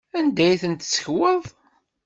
Anda ay ten-tessekweḍ?